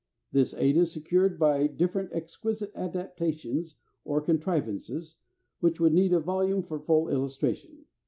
This aid is secured by different exquisite adaptations and contrivances, which would need a volume for full illustration.